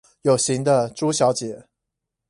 有型的豬小姐